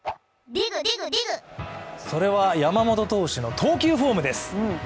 それは、山本投手の投球フォームです。